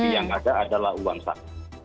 yang ada adalah uang saku